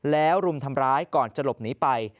แล้วรุมทำร้ายก่อนจะหลบหนีไป